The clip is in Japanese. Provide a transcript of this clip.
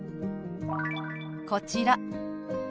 こちら。